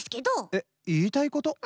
えっいいたいこと？